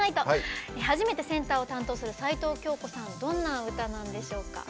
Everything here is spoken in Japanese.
初めてセンターを担当する齊藤京子さんどんな歌なんでしょうか？